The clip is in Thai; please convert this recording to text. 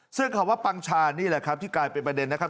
ซึ่งคำว่าปังชานี่แหละครับที่กลายเป็นประเด็นนะครับ